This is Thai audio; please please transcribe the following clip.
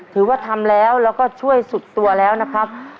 ถือว่าทำแล้วแล้วก็ช่วยสุดตัวแล้วนะครับ